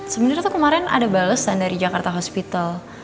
sebenarnya tuh kemarin ada balesan dari jakarta hospital